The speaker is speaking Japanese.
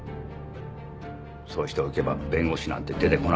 そうしておけば弁護士なんて出てこなかったのに。